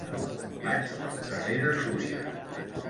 Vaig al carrer de Súria.